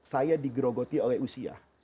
saya digerogoti oleh usia